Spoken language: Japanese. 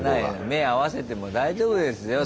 目合わせても大丈夫ですよ